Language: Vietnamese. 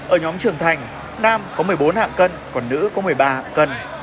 ở nhóm trưởng thành nam có một mươi bốn hạng cân còn nữ có một mươi ba hạng cân